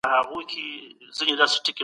د سياست پوهني نوي کتابونه چاپ سوي دي.